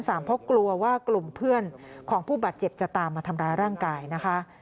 เพราะกลัวว่ากลุ่มเพื่อนของผู้บาดเจ็บจะตามมาทำร้ายร่างกายนะคะ